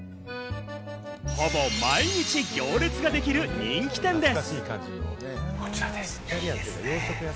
ほぼ毎日行列ができる人気店です。